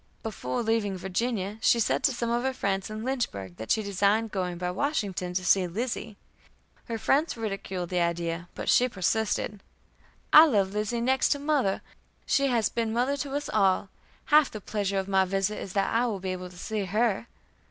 Before leaving Virginia she said to some of her friends in Lynchburg that she designed going by Washington to see Lizzie. Her friends ridiculed the idea, but she persisted: "I love Lizzie next to mother. She has been a mother to us all. Half the pleasure of my visit is that I will be able to see her."